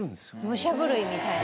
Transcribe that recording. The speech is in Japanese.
武者震いみたいな？